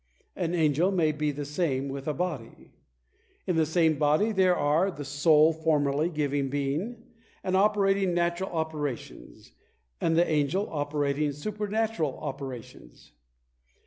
An angel may be the same with a body. In the same body there are, the soul formally giving being, and operating natural operations; and the angel operating supernatural operations.